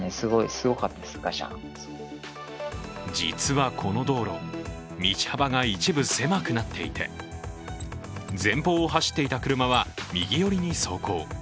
実はこの道路、道幅が一部狭くなっていて、前方を走っていた車は右寄りに走行。